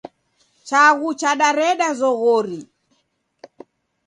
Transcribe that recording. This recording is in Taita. Chaghu chadareda zoghori.